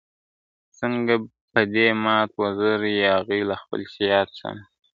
څنګه په دې مات وزر یاغي له خپل صیاد سمه !.